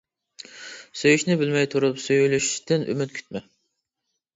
سۆيۈشنى بىلمەي تۇرۇپ سۆيۈلۈشتىن ئۈمىد كۈتمە.